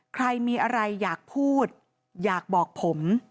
ใครมีอะไรอยากพูดอยากบอกผม